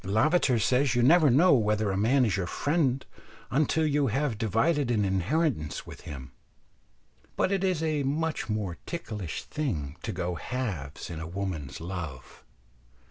Lavater says you never know whether a man is your friend until you have divided an inheritance with him; but it is a much more ticklish thing to go halves in a woman's love.